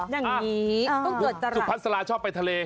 นี่ต้องเกิดจรรย์สุพัฒน์สลาชอบไปทะเล